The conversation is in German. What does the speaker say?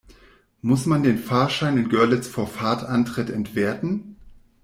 Muss man den Fahrschein in Görlitz vor Fahrtantritt entwerten?